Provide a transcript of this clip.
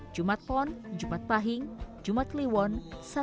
jumat pon jumat pahing jumat liwon satu dan dua